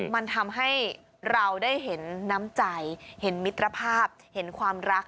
มันทำให้เราได้เห็นน้ำใจเห็นมิตรภาพเห็นความรัก